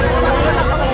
kamu kan sahabatnya